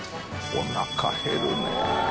おなか減るね。